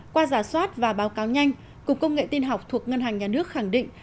qua giả soát và báo cáo nhanh cục công nghệ tin học thuộc ngân hàng nhà nước khẳng định